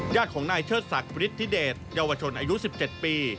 ญาติของนายเชิดศักดิฤทธิเดชเยาวชนอายุ๑๗ปี